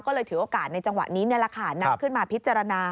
ก็เลยถือโอกาสในจังหวะนี้นี่แหละค่ะนำขึ้นมาพิจารณา